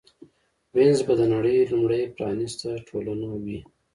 وینز به د نړۍ لومړۍ پرانېسته ټولنه وي